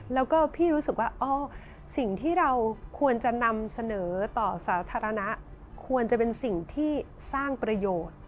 แล้วก็พี่รู้สึกว่าสิ่งที่เราควรจะนำเสนอต่อสาธารณะควรจะเป็นสิ่งที่สร้างประโยชน์